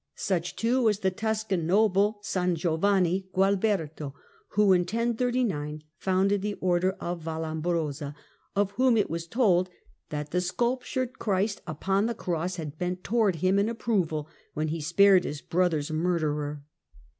Such, too, was the Tuscan noble, St Giovanni Gualberto, who, in 1039, founded the Order of Vallombrosa, and of whom it was told that the sculptured Christ upon the Cross had bent towards him in approval when he spared his brother's murderer.